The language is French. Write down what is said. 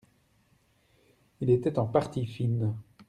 Il était en partie fine.